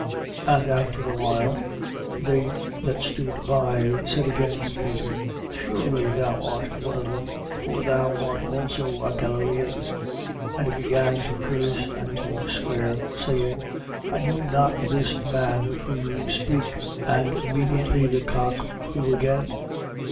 And after a, while they that stood by said again to Peter: Surely thou art one of them; for thou art also a Galilean. 14:71. But he began o curse and to swear, saying: I know not this man of whom you speak. 14:72. And immediately the cock crew again.